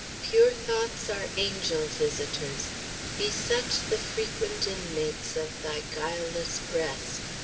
"'Pure thoughts are angel visitors. Be such The frequent inmates of thy guileless breast.'